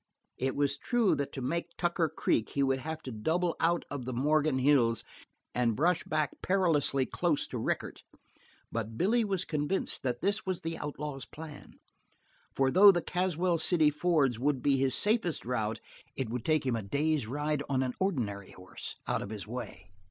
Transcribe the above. It was true that to make Tucker Creek he would have to double out of the Morgan Hills and brush back perilously close to Rickett, but Billy was convinced that this was the outlaw's plan; for though the Caswell City fords would be his safest route it would take him a day's ride, on an ordinary horse, out of his way.